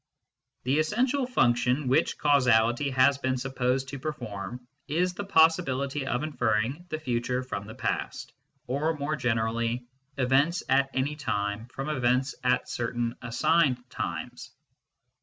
The essential function which causality has been sup posed to perform is the possibility of inferring the future from the past, or, more generally, events at any time from events at certain assigned times.